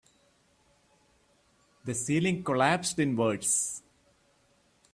The ceiling collapsed inwards.